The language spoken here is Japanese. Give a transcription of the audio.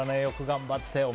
よく頑張って。